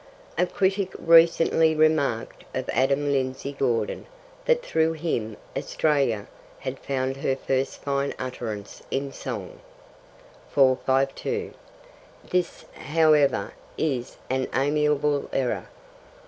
A critic recently remarked of Adam Lindsay Gordon that through him Australia had found her first fine utterance in song. This, however, is an amiable error.